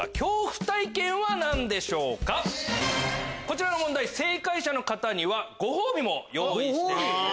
こちらの問題正解者の方にはご褒美も用意しております。